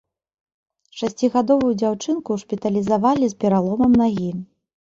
Шасцігадовую дзяўчынку шпіталізавалі з пераломам нагі.